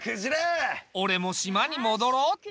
俺も島に戻ろうっと。